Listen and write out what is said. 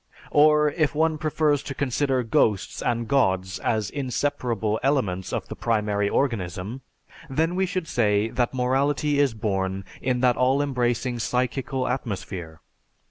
Or, if one prefers to consider ghosts and gods as inseparable elements of the primary organism, then we should say that morality is born in that all embracing psychical atmosphere.